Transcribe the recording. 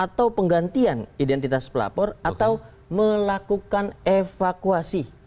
atau penggantian identitas pelapor atau melakukan evakuasi